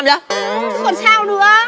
cứ còn sao nữa